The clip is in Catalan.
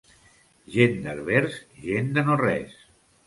Gent d'Herbers, gent de no res.